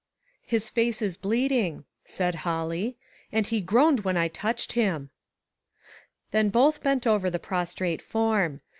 " His face is bleeding," said Holly, " and he groaned when I touched him." Then both bent over the prostrate form.